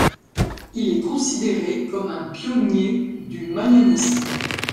Il est considéré comme un pionnier du mayanisme.